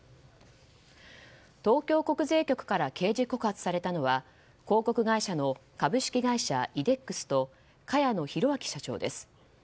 東京国税局から刑事告発されたのは広告会社の株式会社イデックスと茅野宏昭社長です。